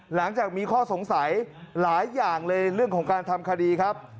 หลังจากมีข้อสงสัยหลายอย่างเลยเรื่องของการทำคดีครับ